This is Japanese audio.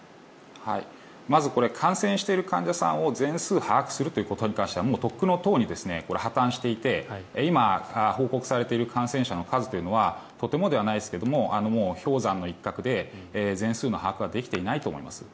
まずこれ感染している患者さんを全数把握するということに関してはもうとっくのとうに破たんしていて今、報告されている感染者の数というのはとてもではないですがもう氷山の一角で全数の把握はできていないと思います。